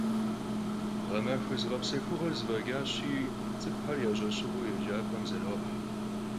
Ğemaxue zığepsexuğuer zef'eç'aşi, ts'ık'uxer ya ş'eşığueu yêcap'em zeroh.